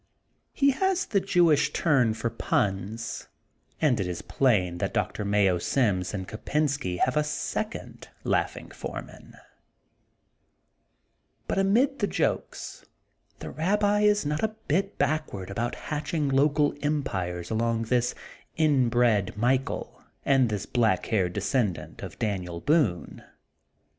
He has the Jewish turn for puns and it is plain that Doctor Mayo Sims and Kopensky have a second laughing f oen^an. But amid the jokes the Rabbi is not a bit backward about hatching local empires along THE GOLDEN BOOK OF SPRINGFIELD 109 with this inbred Michael and this black haired descendant of Daniel Boone.